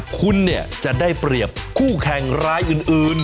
คุณเนี่ยจะได้เปรียบคู่แข่งรายอื่น